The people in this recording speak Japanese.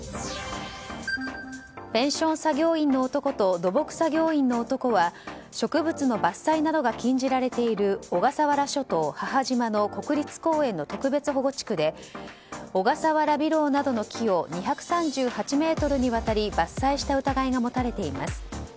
ペンション作業員の男と土木作業員の男は植物の伐採などが禁じられている小笠原諸島母島の国立公園の特別保護地区でオガサワラビロウなどの木を２３８ｍにわたり伐採した疑いなどが持たれています。